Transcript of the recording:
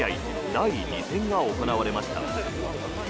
第２戦が行われました。